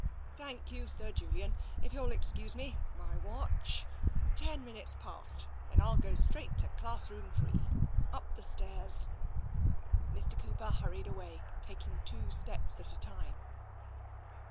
" Thank you, Sir Julian. If you'll excuse me. My watch — ten minutes past — then Vl\ go straight to Classroom III — up the stairs." Mr. Cooper hurried away, taking two steps at a time.